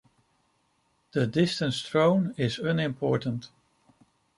The distance thrown is unimportant.